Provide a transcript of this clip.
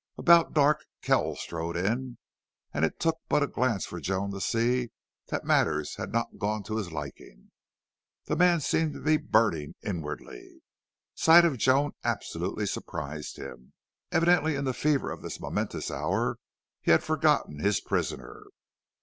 About dark Kells strode in, and it took but a glance for Joan to see that matters had not gone to his liking. The man seemed to be burning inwardly. Sight of Joan absolutely surprised him. Evidently in the fever of this momentous hour he had forgotten his prisoner.